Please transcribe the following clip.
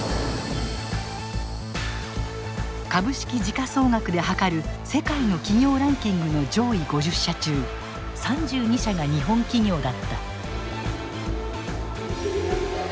株式時価総額ではかる世界の企業ランキングの上位５０社中３２社が日本企業だった。